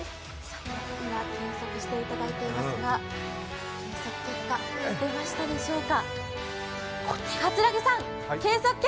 今計測していただいていますが結果出ましたでしょうか。